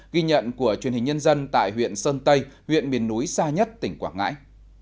ghi nhận của truyền hình nhân dân tại huyện sơn tây huyện miền núi xa nhất tỉnh quảng ngãi